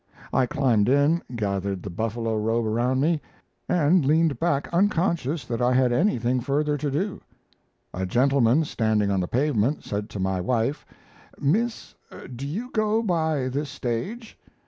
I climbed in, gathered the buffalo robe around me, and leaned back unconscious that I had anything further to do. A gentleman standing on the pavement said to my wife, "Miss, do you go by this stage?"